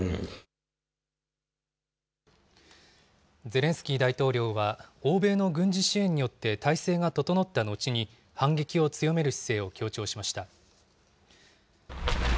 ゼレンスキー大統領は、欧米の軍事支援によって体制が整った後に、反撃を強める姿勢を強調しました。